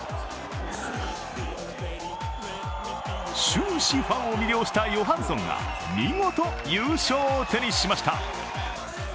終始ファンを魅了したヨハンソンが見事、優勝を手にしました。